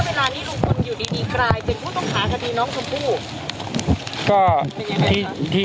จนเวลานี้ลูกคนอยู่ดีกลายเป็นผู้ต้องการคดีน้องสมผู้